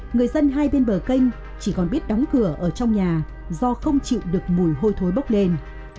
người dân hai bên bờ canh chỉ còn biết đóng cửa ở trong nhà do không chịu được mùi hôi thối bốc lên